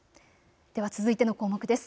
では続いての項目です。